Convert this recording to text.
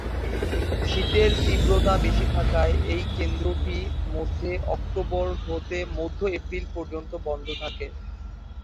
শীতের তীব্রতা বেশি থাকায় এই কেন্দ্রটি মধ্যে অক্টোবর হতে মধ্য এপ্রিল পর্যন্ত বন্ধ থাকে।